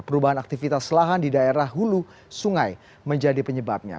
perubahan aktivitas lahan di daerah hulu sungai menjadi penyebabnya